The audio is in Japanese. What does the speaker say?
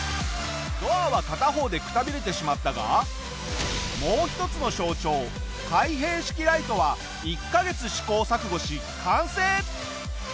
ドアは片方でくたびれてしまったがもう一つの象徴開閉式ライトは１カ月試行錯誤し完成！